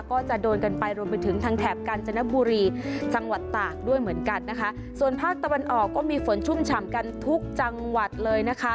ก็จะโดนกันไปรวมไปถึงทางแถบกาญจนบุรีจังหวัดตากด้วยเหมือนกันนะคะส่วนภาคตะวันออกก็มีฝนชุ่มฉ่ำกันทุกจังหวัดเลยนะคะ